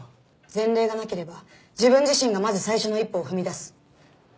前例がなければ自分自身がまず最初の一歩を踏み出す。